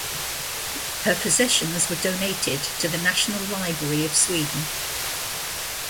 Her possessions were donated to the National Library of Sweden.